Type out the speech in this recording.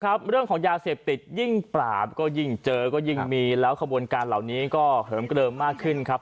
ครับเรื่องของยาเสพติดยิ่งปราบก็ยิ่งเจอก็ยิ่งมีแล้วขบวนการเหล่านี้ก็เหิมเกลิมมากขึ้นครับ